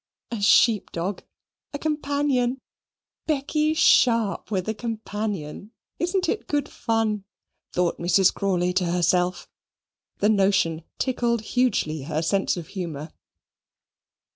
"A sheep dog a companion! Becky Sharp with a companion! Isn't it good fun?" thought Mrs. Crawley to herself. The notion tickled hugely her sense of humour.